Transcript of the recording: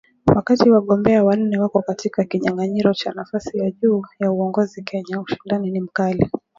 Wakati wagombea wanne wako katika kinyang’anyiro cha nafasi ya juu ya uongozi Kenya, ushindani ni mkali.